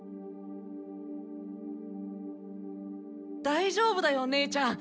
大丈夫だよ姉ちゃん！